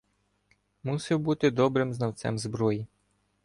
Мусив бути добрим знавцем зброї.